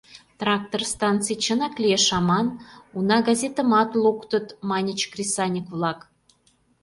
— Трактор станций чынак лиеш аман, уна, газетымат луктыт, — маньыч кресаньык-влак.